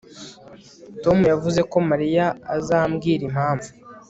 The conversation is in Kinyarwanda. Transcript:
Tom yavuze ko Mariya azambwira impamvu